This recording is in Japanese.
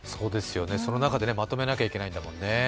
その中でまとめなきゃいけないんだからね。